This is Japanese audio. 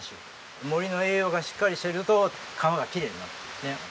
森の栄養がしっかりしてると川がきれいになるんですね。